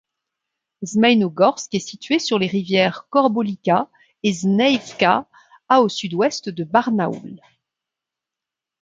Zmeïnogorsk est située sur les rivières Korbolikha et Zneïevka, à au sud-ouest de Barnaoul.